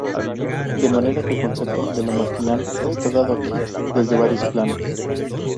De manera que el concepto de lo marginal está dado aquí desde varios planos.